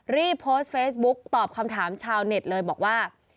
รีบโพสต์เฟซบุ๊กตอบคำถามชาวเน็ตเลยบอกว่า